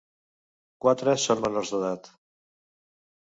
Quatre són menors d’edat.